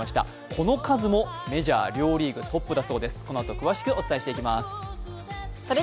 この数もメジャー両リーグトップ４回。